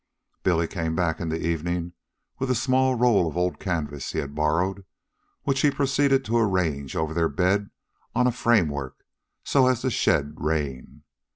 Billy came back in the evening with a small roll of old canvas he had borrowed, which he proceeded to arrange over their bed on a framework so as to shed rain.